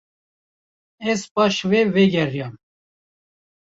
Ez paş ve vegeriyam.